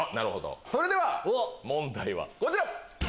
それでは問題はこちら！